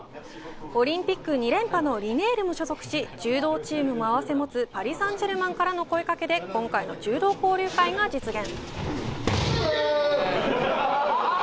オリンピック２連覇のリネールも所属し柔道チームも併せ持つパリ・サンジェルマンからの声掛けで今回の柔道交流会が実現。